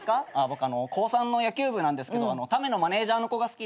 高３の野球部なんですけどタメのマネジャーの子が好きで。